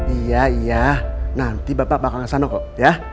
iya iya nanti bapak bakal kesana kok ya